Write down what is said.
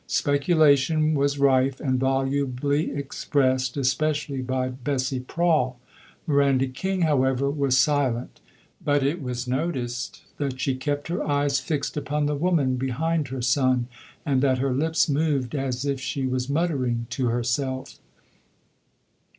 Speculation was rife and volubly expressed, especially by Bessie Prawle. Miranda King, however, was silent; but it was noticed that she kept her eyes fixed upon the woman behind her son, and that her lips moved as if she was muttering to herself.